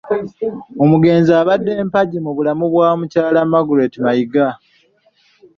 Omugenzi abadde mpagi mu bulamu bwa mukyala Margret Mayiga.